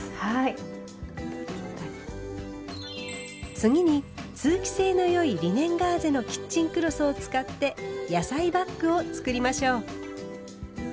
次に通気性の良いリネンガーゼのキッチンクロスを使って「野菜バッグ」を作りましょう。